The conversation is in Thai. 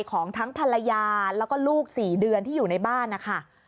ของทั้งภรรยาแล้วก็ลูก๔เดือนที่อยู่ในบ้านนะคะ